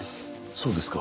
そうですか。